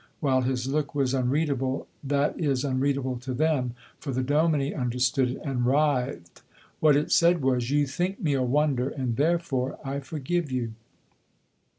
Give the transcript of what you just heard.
while his look was unreadable, that is unreadable to them, for the dominie understood it and writhed. What it said was, "You think me a wonder, and therefore I forgive you."